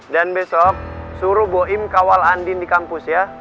dan besok suruh boim kawal andin di kampus ya